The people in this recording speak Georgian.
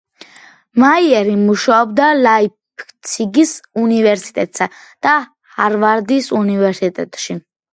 მაიერი მუშაობდა ლაიფციგის უნივერსიტეტსა და ჰარვარდის უნივერსიტეტში.